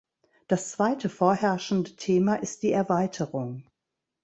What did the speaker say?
Das zweite vorherrschende Thema ist die Erweiterung.